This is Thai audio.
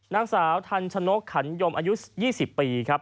นางสาวทันชนกขันยมอายุ๒๐ปีครับ